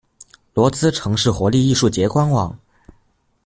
罗兹城市活力艺术节官网